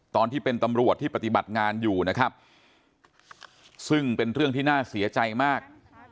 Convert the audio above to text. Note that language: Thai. ตอนที่เป็นตำรวจที่ปฏิบัติงานอยู่นะครับซึ่งเป็นเรื่องที่น่าเสียใจมาก